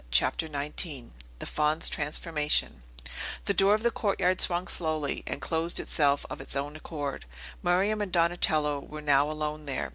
CHAPTER XIX THE FAUN'S TRANSFORMATION The door of the courtyard swung slowly, and closed itself of its own accord. Miriam and Donatello were now alone there.